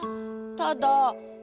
ただ。